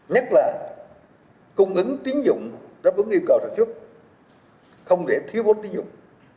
nhất là cung ứng tín dụng đáp ứng yêu cầu thật chút không để thiếu bốn tín dụng